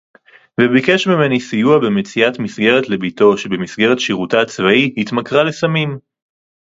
וביקש ממני סיוע במציאת מסגרת לבתו שבמסגרת שירותה הצבאי התמכרה לסמים